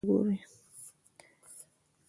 ورسئ ځان ته کوم کسب کار وگورئ.